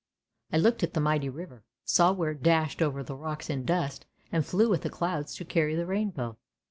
"" I looked at the mighty river, saw where it dashed over the rocks in dust and flew with the clouds to carry the rainbow.